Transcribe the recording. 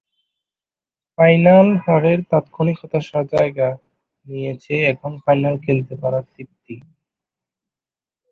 Final হারের তাৎক্ষণিক হতাশার জায়গা নিয়েছে এখন ফাইনাল খেলতে পারার তৃপ্তি।